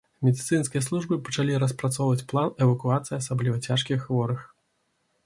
Медыцынскія службы пачалі распрацоўваюць план эвакуацыі асабліва цяжкіх хворых.